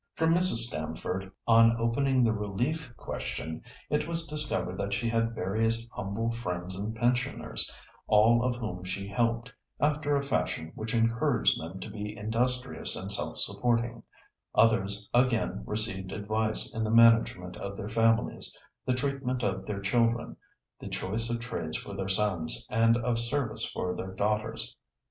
From Mrs. Stamford, on opening the relief question, it was discovered that she had various humble friends and pensioners, all of whom she helped, after a fashion which encouraged them to be industrious and self supporting; others again received advice in the management of their families, the treatment of their children, the choice of trades for their sons, and of service for their daughters.